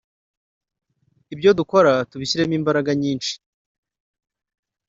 ibyo dukora tubishyiremo imbaraga nyinshi